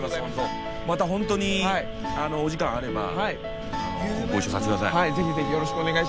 またほんとにお時間あればご一緒させてください。